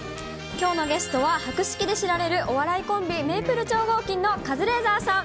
きょうのゲストは博識で知られるお笑いコンビ、メイプル超合金のカズレーザーさん。